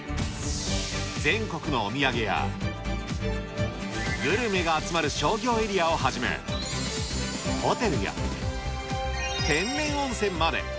全国のお土産や、グルメが集まる商業エリアをはじめ、ホテルや天然温泉まで。